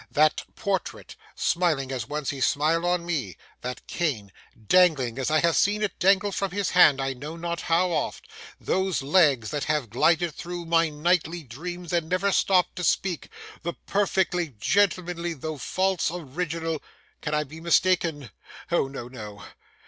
That portrait,—smiling as once he smiled on me; that cane,—dangling as I have seen it dangle from his hand I know not how oft; those legs that have glided through my nightly dreams and never stopped to speak; the perfectly gentlemanly, though false original,—can I be mistaken? O no, no.